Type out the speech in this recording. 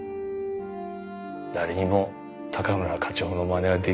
誰にも高村課長のまねはできない。